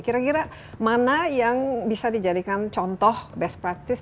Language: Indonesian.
kira kira mana yang bisa dijadikan contoh best practice